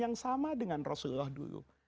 yang sama dengan rasulullah dulu